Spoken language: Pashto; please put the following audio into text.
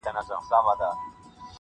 o له دوزخه د جنت مهمان را ووت ,